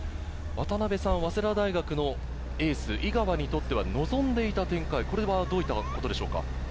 早稲田大学のエース・井川にとっては望んでいた展開、どういったことでしょうか？